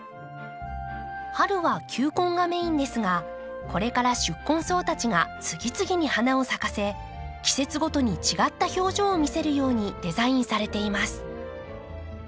春は球根がメインですがこれから宿根草たちが次々に花を咲かせ季節ごとに違った表情を見せるようにデザインされています。